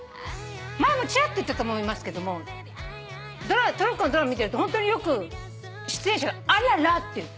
前もちらっと言ったと思いますけどもトルコのドラマ見てるとホントによく出演者が「アララ」って言うの。